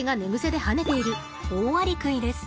オオアリクイです。